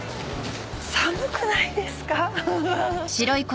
寒くないんですか？